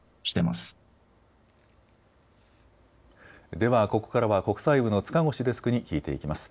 では、ここからは国際部の塚越デスクに聞いていきます。